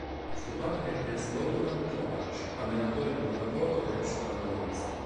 Suo padre è Slobodan Kovač, allenatore di pallavolo ed ex pallavolista.